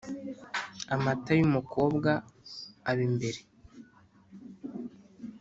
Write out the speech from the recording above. Amata y’umukobwa aba imbere.